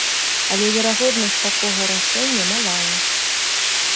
Але верагоднасць такога рашэння малая.